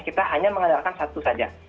kita hanya mengandalkan satu saja